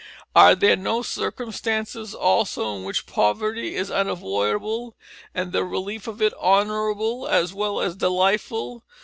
Are there not circumstances also in which poverty is unavoidable and the relief of it honourable as well as delightful?